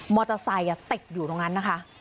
เตอร์ไซค์ติดอยู่ตรงนั้นนะคะ